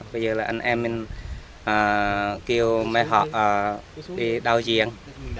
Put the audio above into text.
bây giờ là anh em mình kêu mấy họ đi đào giềng